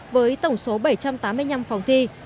với tổng số bảy trăm tám mươi năm phòng thi